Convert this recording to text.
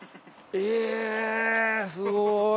えぇすごい！